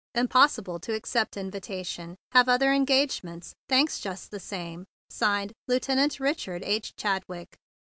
" Impossible to accept invitation. Have other engagements. Thanks just the same. "(Signed) Lieutenant Richard H. Chadwick."